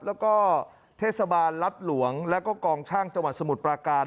แล้วก็เทศบาลรัฐหลวงแล้วก็กองช่างจังหวัดสมุทรปราการ